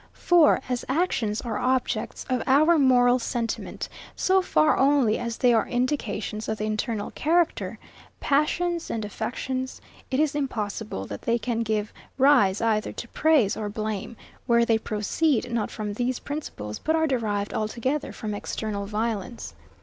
For as actions are objects of our moral sentiment, so far only as they are indications of the internal character, passions, and affections; it is impossible that they can give rise either to praise or blame, where they proceed not from these principles, but are derived altogether from external violence.